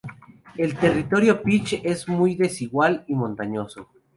El territorio pech es muy desigual y montañoso.